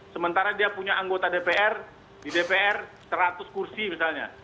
sementara dia punya anggota dpr di dpr seratus kursi misalnya